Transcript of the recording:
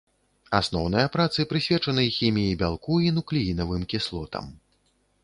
Асноўныя працы прысвечаны хіміі бялку і нуклеінавым кіслотам.